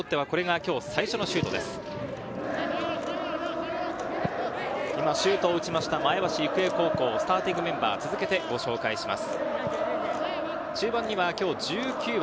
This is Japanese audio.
今シュートを打ちました前橋育英高校スターティングメンバーを続けてご紹介します。